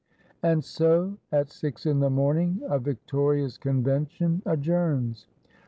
And so, at six in the morning, a victorious Convention adjourns.